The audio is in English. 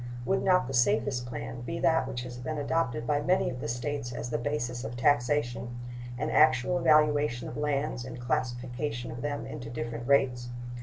Would not the safest plan be that which has been adopted by many of the States as the basis of taxation an actual valuation of lands and classification of them into different rates?